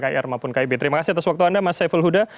kir maupun kib terima kasih atas waktu anda mas saiful huda